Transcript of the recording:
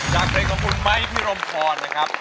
จากเพลงของคุณไม้พิรมพรนะครับ